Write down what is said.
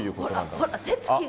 ほら手つきが！